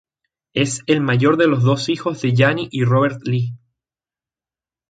Es el mayor de los dos hijos de Jeanie y Robert Lee.